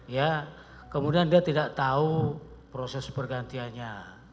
ya kemudian dia tidak tahu proses pergantiannya